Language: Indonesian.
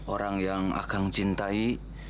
orang yang akan cintai